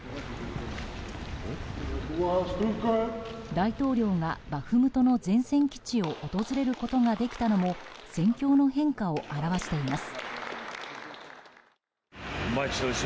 大統領がバフムトの前線基地を訪れることができたのも戦況の変化を表しています。